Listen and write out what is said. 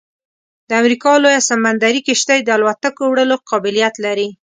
د امریکا لویه سمندري کشتۍ د الوتکو وړلو قابلیت لري